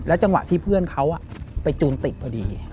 จังหวะที่เพื่อนเขาไปจูนติดพอดี